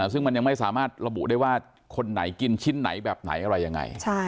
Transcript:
ซึ่งมันยังไม่สามารถระบุได้ว่าคนไหนกินชิ้นไหนแบบไหนอะไรยังไง